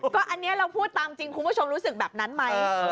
ก็อันนี้เราพูดตามจริงคุณผู้ชมรู้สึกแบบนั้นไหม